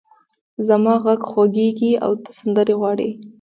زما غږ خوږېږې او ته سندرې غواړې!